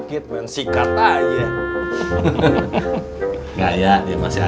bisa beli lagi